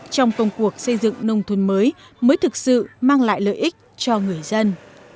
trong công cuộc xây dựng nông thôn mới mới thực sự mang lại lợi ích cho người dân